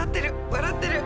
笑ってる。